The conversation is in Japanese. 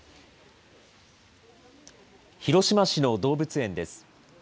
広島市の動物園です。